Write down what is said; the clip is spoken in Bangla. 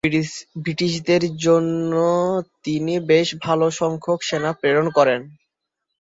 ব্রিটিশদের জন্য তিনি বেশ ভালো সংখ্যক সেনা প্রেরণ করেন।